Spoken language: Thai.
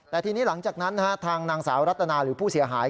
แต่ทีนี้หลังจากนั้นทางนางสาวรัตนาหรือผู้เสียหาย